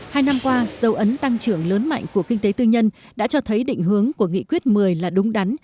hai năm qua dấu ấn tăng trưởng lớn mạnh của kinh tế tư nhân đã cho thấy định hướng của nghị quyết một mươi là đúng đắn